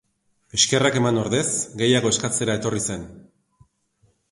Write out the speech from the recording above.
Eskerrak eman ordez gehiago eskatzera etorri zen.